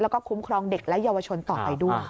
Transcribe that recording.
แล้วก็คุ้มครองเด็กและเยาวชนต่อไปด้วย